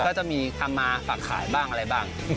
ก็จะมีทำมาฝากขายบ้างอะไรบ้าง